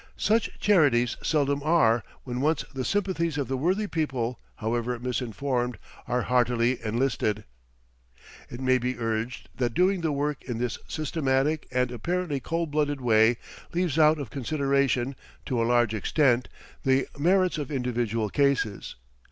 Such charities seldom are when once the sympathies of the worthy people, however misinformed, are heartily enlisted. It may be urged that doing the work in this systematic and apparently cold blooded way leaves out of consideration, to a large extent, the merits of individual cases.